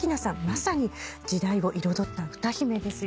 まさに時代を彩った歌姫ですよね。